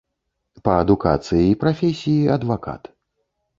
Па адукацыі і прафесіі адвакат.